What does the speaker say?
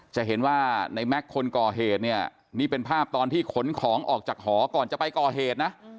จะเห็นว่าในแม็กซ์คนก่อเหตุเนี่ยนี่เป็นภาพตอนที่ขนของออกจากหอก่อนจะไปก่อเหตุนะ